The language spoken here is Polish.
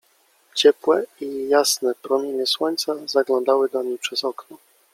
Ciepłe i jasne promienie słońca zaglądały do niej przez okno.